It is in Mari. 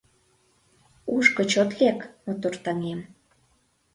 Уш гыч от лек, мотор таҥем